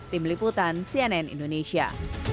tim liputan cnn indonesia